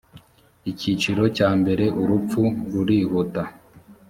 icyiciro cya mbere urupfu rurihuta